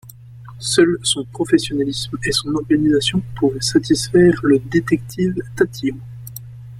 Seuls son professionnalisme et son organisation pouvaient satisfaire le détective tatillon.